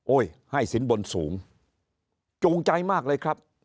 ให้สินบนสูงจูงใจมากเลยครับ